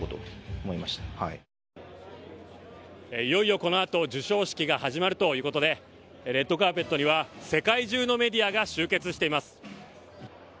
いよいよこのあと授賞式が始まるということでレッドカーペットには、世界中のメディアが集結しています。